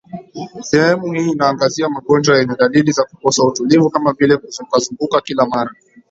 Sehemu hii inaangazia magonjwa yenye dalili za kukosa utulivu kama vile kuzungukazunguka kila mara